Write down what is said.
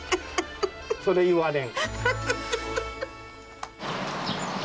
それ、言われん。